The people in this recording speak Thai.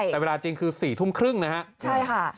แต่เวลาจริงคือ๔ทุ่มครึ่งนะครับ